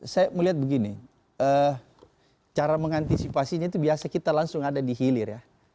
saya melihat begini cara mengantisipasinya itu biasa kita langsung ada di hilir ya